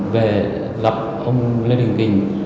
về gặp ông lê đình kình